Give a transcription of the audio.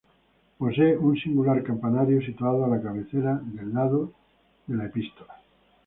Posee un singular campanario, situado a la cabecera, lado de la epístola.